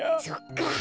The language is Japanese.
そっか。